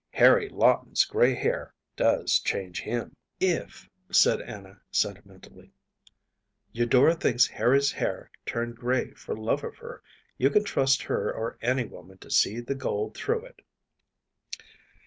Harry Lawton’s gray hair does change him.‚ÄĚ ‚ÄúIf,‚ÄĚ said Anna, sentimentally, “Eudora thinks Harry’s hair turned gray for love of her, you can trust her or any woman to see the gold through it.